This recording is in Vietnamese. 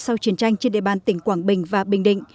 sau chiến tranh trên địa bàn tỉnh quảng bình và bình định